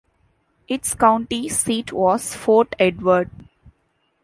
Its county seat was Fort Edward.